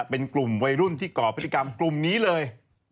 เป็นกลุ่มวัยรุ่นที่ก่อพฤติกรรมกลุ่มนี้เลย